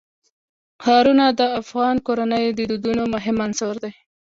ښارونه د افغان کورنیو د دودونو مهم عنصر دی.